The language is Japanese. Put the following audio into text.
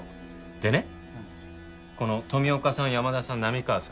でねこの富岡さん山田さん波川さん